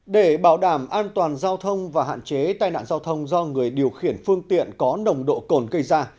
để bảo đảm an toàn giao thông và hạn chế tai nạn giao thông do người điều khiển phương tiện có nồng độ cồn gây ra